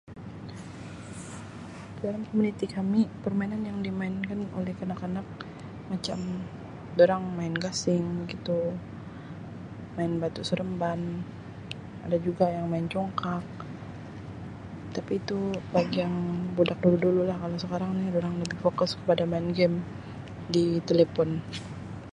Dalam komuniti kami permainan yang dimainkan oleh kanak-kanak macam dorang main Gasing begitu main Batu Seremban ada juga yang main Congkak tapi itu bagi yang budak dulu-dulu lah kalau sekarang ini dorang lebih fokus main Game di telefon.